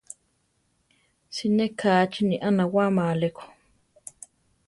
Siné kachini a nawáma aleko.